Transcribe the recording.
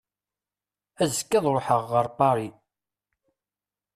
Azekka ad ruḥeɣ ɣer Paris.